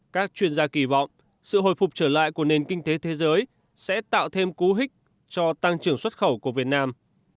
các chuyên gia kỳ vọng sự hồi phục trở lại của nền kinh tế thế giới sẽ tạo thêm cú hích cho tăng trưởng xuất khẩu của việt nam